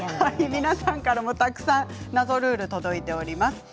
皆さんから、たくさん謎ルールが届いています。